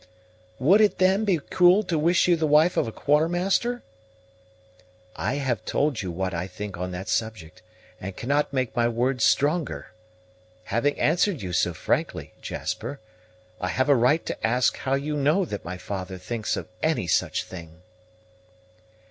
"Would it, then, be cruel to wish you the wife of a quartermaster?" "I have told you what I think on that subject, and cannot make my words stronger. Having answered you so frankly, Jasper, I have a right to ask how you know that my father thinks of any such thing?"